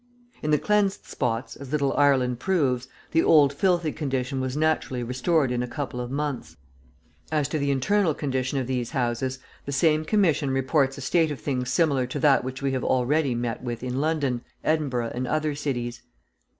In the cleansed spots, as Little Ireland proves, the old filthy condition was naturally restored in a couple of months. As to the internal condition of these houses, the same Commission reports a state of things similar to that which we have already met with in London, Edinburgh, and other cities.